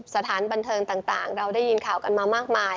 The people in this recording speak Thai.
สถานบันเทิงต่างเราได้ยินข่าวกันมามากมาย